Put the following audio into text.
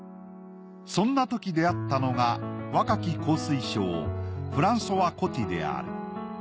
そんなとき出会ったのが若き香水商フランソワ・コティである。